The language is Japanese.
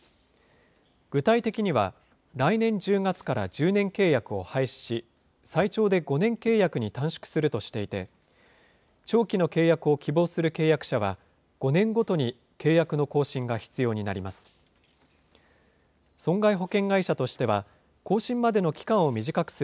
具体的には、来年１０月から１０年契約を廃止し、最長で５年契約に短縮するとしていて、長期の契約を希望する契約者は、５年ごとに契約の更新が必要になります。